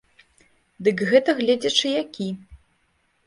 Дык гэта гледзячы які.